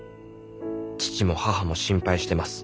父も母も心配してます。